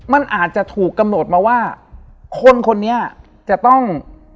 มันอาจจะถูกกำหนดมาว่าคนคนนี้จะต้อง